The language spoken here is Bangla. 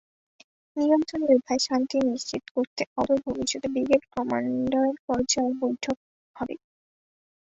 নিয়ন্ত্রণরেখায় শান্তি নিশ্চিত করতে অদূর ভবিষ্যতে ব্রিগেড কমান্ডার পর্যায়ে বৈঠক হবে।